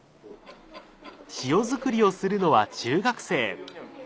塩づくりをするのは中学生。